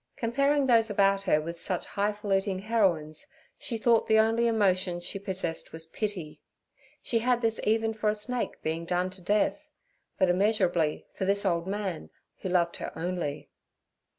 Comparing those about her with such highfaluting heroines, she thought the only emotion she possessed was pity. She had this even for a snake being done to death, but immeasurably for this old man who loved her only.